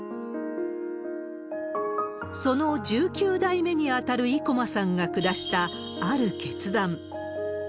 その１９代目に当たる生駒さんが下した、ある決断。